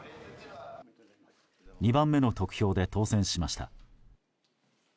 ２番目の得票で当選しました。